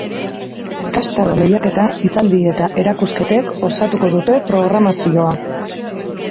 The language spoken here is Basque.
Ikastaro, lehiaketa, hitzaldi eta erakusketek osatuko dute programazioa.